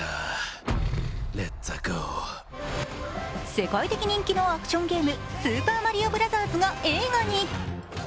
世界的人気のアクションゲーム「スーパーマリオブラザーズ」が映画に。